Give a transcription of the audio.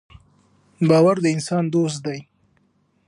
باور د انسان دوست دی.